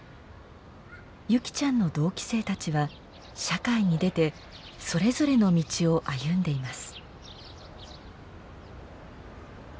優希ちゃんの同期生たちは社会に出てそれぞれの道を歩んでいます。